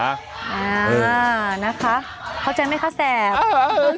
อ่านะคะเข้าใจไหมคะแสบ